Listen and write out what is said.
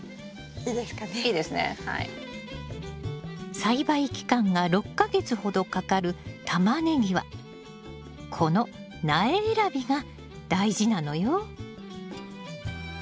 栽培期間が６か月ほどかかるタマネギはこの苗選びが大事なのよ。